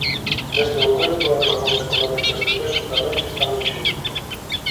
Neste momento hai razóns económicas de peso tamén que están en xogo.